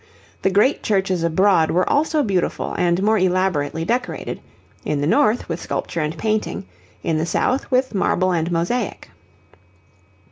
The great churches abroad were also beautiful and more elaborately decorated, in the North with sculpture and painting, in the South with marble and mosaic.